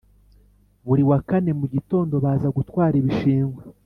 Buri wa kane mugitondo baza gutwara ibishingwe